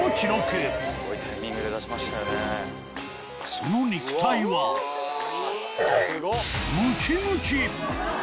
その肉体はムキムキ！